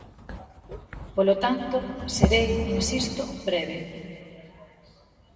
Polo tanto, serei –insisto– breve.